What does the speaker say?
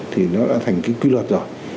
thì nó đã thành cái quy luật rồi